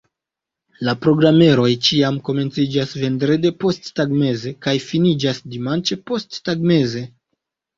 La programeroj ĉiam komenciĝas vendrede posttagmeze kaj finiĝas dimanĉe posttagmeze.